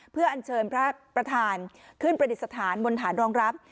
เพื่ออัญเชิญพระประธานขึ้นประดิษฐานบนฐานรองรับ